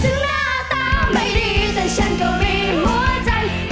ถึงหน้าตาไม่ดีแต่ฉันก็มีหัวจันทร์